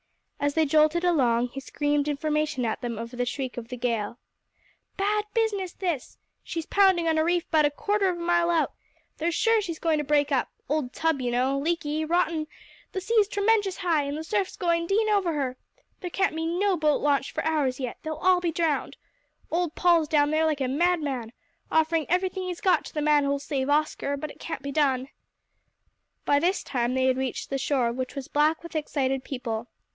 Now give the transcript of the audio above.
As they jolted along, he screamed information at them over the shriek of the gale. "Bad business, this! She's pounding on a reef 'bout a quarter of a mile out. They're sure she's going to break up old tub, you know leaky rotten. The sea's tremenjus high, and the surfs going dean over her. There can't be no boat launched for hours yet they'll all be drowned. Old Paul's down there like a madman offering everything he's got to the man who'll save Oscar, but it can't be done." By this time they had reached the shore, which was black with excited people.